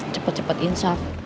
cepet cepet insya allah